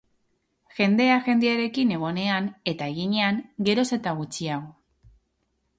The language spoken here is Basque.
Jendea jendearekin egonean eta eginean, geroz eta gutxiago.